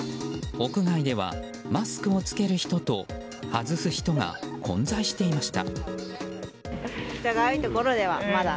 屋外ではマスクを着ける人と外す人が混在していました。